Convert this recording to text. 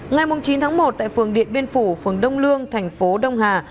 ngày chín tháng một tại phường điện biên phủ phường đông lương thành phố đông hà